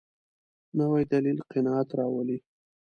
نوی دلیل قناعت راولي